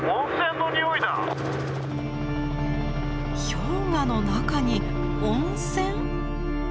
氷河の中に温泉？